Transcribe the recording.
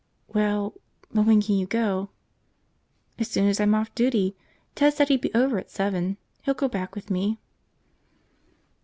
"Well ... but when can you go?" "As soon as I'm off duty. Ted said he'd be over at seven. He'll go back with me."